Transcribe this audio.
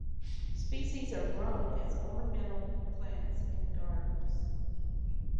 Species are grown as ornamental plants in gardens.